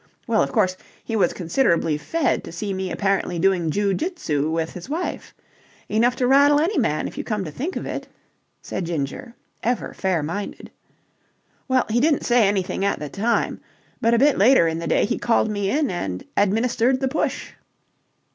well, of course, he was considerably fed to see me apparently doing jiu jitsu with his wife. Enough to rattle any man, if you come to think of it," said Ginger, ever fair minded. "Well, he didn't say anything at the time, but a bit later in the day he called me in and administered the push."